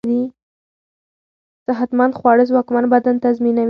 صحتمند خواړه ځواکمن بدن تضمينوي.